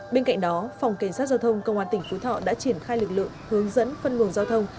bên cạnh đó phòng cảnh sát giao thông công an tỉnh phú thọ đã triển khai lực lượng hướng dẫn phân luồng giao thông